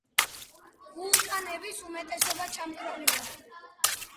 ვულკანების უმეტესობა ჩამქრალია.